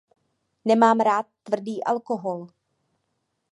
Nemá rád tvrdý alkohol.